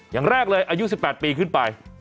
อย่างแรกเลยอายุ๑๘ปีขึ้นไป